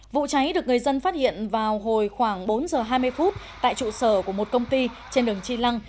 vụ cháy được người dân phát hiện vào hồi khoảng bốn giờ hai mươi phút tại trụ sở của một công ty trên đường chi lăng